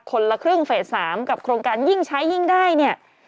คนละครึ่งเฟส๓กับโครงการยิ่งใช้ยิ่งได้เนี่ย